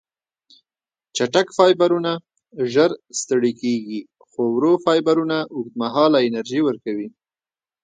چټک فایبرونه ژر ستړې کېږي، خو ورو فایبرونه اوږدمهاله انرژي ورکوي.